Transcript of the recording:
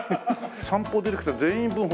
『散歩』のディレクター全員分欲しいの？